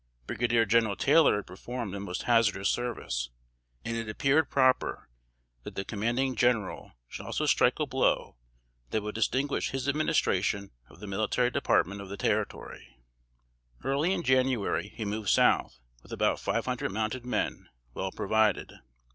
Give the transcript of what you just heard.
Brigadier General Taylor had performed a most hazardous service; and it appeared proper that the Commanding General should also strike a blow that would distinguish his administration of the military department of the territory. [Sidenote: 1838.] Early in January, he moved south, with about five hundred mounted men, well provided.